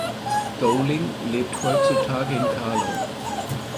Dowling lebt heutzutage in Carlow.